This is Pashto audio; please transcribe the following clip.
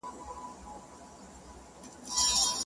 عُمر مي وعدو د دروغ وخوړی -